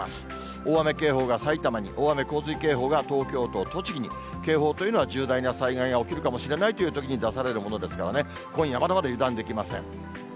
大雨警報が埼玉に、大雨洪水警報が東京と栃木に、警報というのは重大な災害が起きるかもしれないというときに出されるものですからね、今夜まだまだ油断できません。